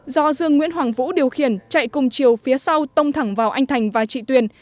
do dương nguyễn hoàng vũ điều khiển chạy cùng chiều phía sau tông thẳng vào anh thành và chị tuyền